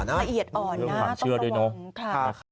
ละเอียดอ่อนนะต้องระวังค่ะ